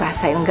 aku mau pegang